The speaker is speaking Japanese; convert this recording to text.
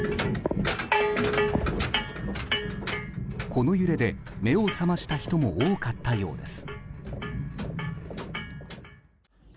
この揺れで目を覚ました人も多かったようです。